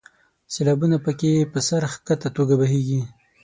سیلابونه په کې په سر ښکته توګه بهیږي.